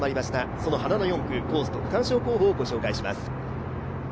その花の４区、コースと区間賞候補を御紹介します。